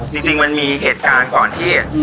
จริงมันมีเหตุการณ์ก่อนที่